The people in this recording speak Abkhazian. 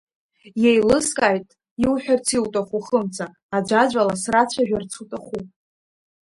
Иеилыскааит иуҳәарц иуҭаху, Хымца, аӡәаӡәала срацәажәарц уҭахуп.